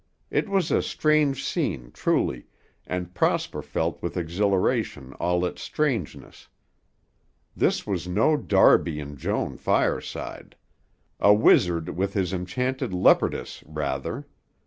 It was a strange scene truly, and Prosper felt with exhilaration all its strangeness. This was no Darby and Joan fireside; a wizard with his enchanted leopardess, rather.